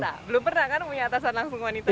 nah belum pernah kan punya atasan langsung wanita